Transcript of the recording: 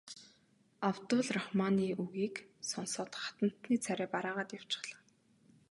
Абдул Рахманы үгийг сонсоод хатантны царай барайгаад явчихлаа.